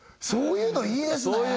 そういうのいいですね！